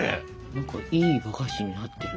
何かいいお菓子になってる。